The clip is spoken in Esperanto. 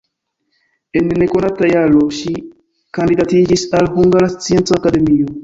En nekonata jaro ŝi kandidatiĝis al Hungara Scienca Akademio.